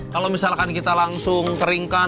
kalau misalkan kita langsung keringkan